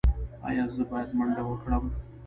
ایا زه باید منډه وکړم؟